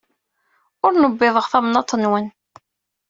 Ur nbiḍeɣ tamnaḍt-nwent.